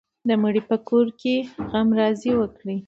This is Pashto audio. د مړي په کور کې غمرازي وکړئ.